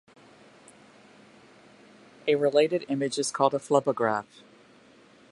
A related image is called a phlebograph.